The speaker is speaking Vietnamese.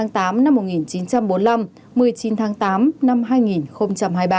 một mươi tám năm một nghìn chín trăm bốn mươi năm một mươi chín tháng tám năm hai nghìn hai mươi ba